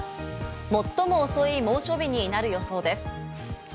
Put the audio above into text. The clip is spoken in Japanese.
最も遅い猛暑日になる予想です。